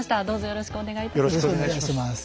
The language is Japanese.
よろしくお願いします。